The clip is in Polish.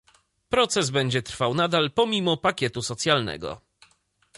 Proces będzie trwał nadal, pomimo pakietu socjalnego